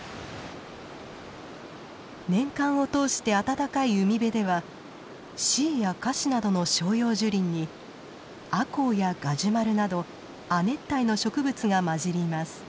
年間を通して暖かい海辺ではシイやカシなどの照葉樹林にアコウやガジュマルなど亜熱帯の植物が交じります。